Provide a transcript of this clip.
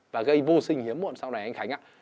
và gây vô sinh hiếm muộn sau này anh khánh ạ